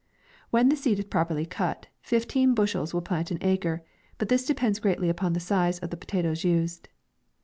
When the seed is properly cut, fifteen bushels will plant an acre, but this depends greatly upon the size of the potatoes used.